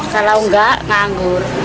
kalau enggak nganggur